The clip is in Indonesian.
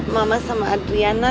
mama sama ardianna